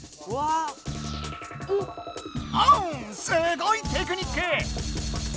すごいテクニック！